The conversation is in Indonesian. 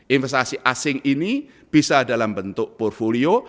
investasi asing ini bisa dalam bentuk portfolio